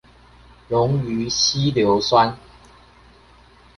溶於稀硫酸